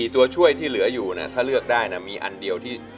ตัวช่วยที่เหลืออยู่นะถ้าเลือกได้นะมีอันเดียวที่